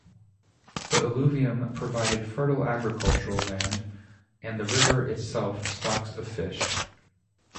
The alluvium provided fertile agricultural land and the river itself stocks of fish.